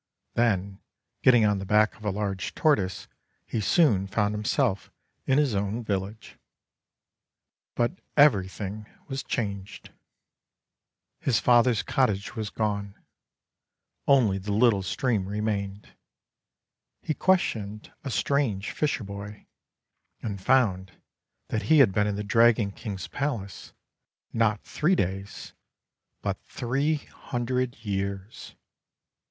Then getting on the back of a large Tortoise, he soon found himself in his own village. But everything was changed. His father's THE WONDER GARDEN cottage was gone; only the little stream re mained. He questioned a strange fisherboy, and found that he had been in the Dragon King's palace, not three days but three hundred years.